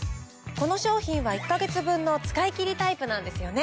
この商品は１ヵ月分の使い切りタイプなんですよね？